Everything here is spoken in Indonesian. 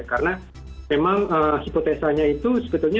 karena memang hipotesanya itu sebetulnya